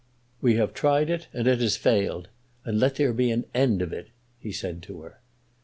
"We have tried it and it has failed, and let there be an end of it," he said to her.